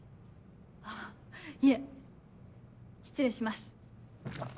あいえ失礼します。